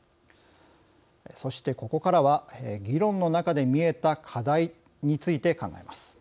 そしてここからは議論の中で見えた課題について考えます。